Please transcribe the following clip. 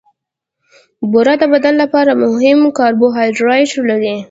بوره د بدن لپاره مهم کاربوهایډریټ لري.